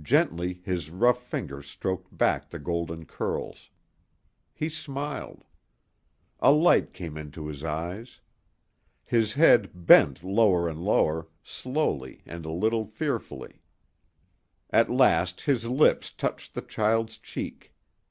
Gently his rough fingers stroked back the golden curls. He smiled. A light came into his eyes. His head bent lower and lower, slowly and a little fearfully. At last his lips touched the child's cheek.